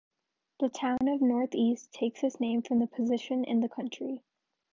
The town of North East takes its name from its position in the county.